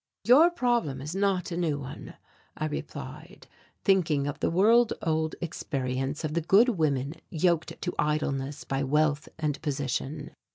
"Your problem is not a new one," I replied, thinking of the world old experience of the good women yoked to idleness by wealth and position.